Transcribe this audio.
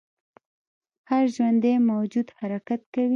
هر ژوندی موجود حرکت کوي